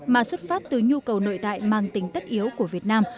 mà xuất phát từ nhu cầu nội tại mang tính tất yếu của việt nam